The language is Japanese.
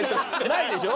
ないでしょ？